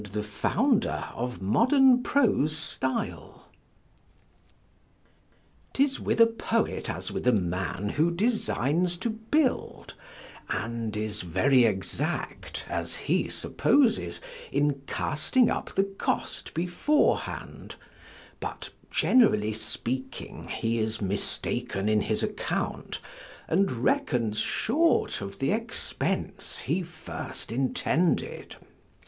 ] PREFACE TO FABLES, ANCIENT AND MODERN BY JOHN DRYDEN. (1700)[A] 'Tis with a poet as with a man who designs to build, and is very exact, as he supposes, in casting up the cost beforehand, but, generally speaking, he is mistaken in his account, and reckons short of the expense he first intended.